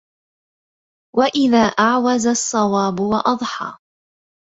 وإذا أعوز الصواب وأضحى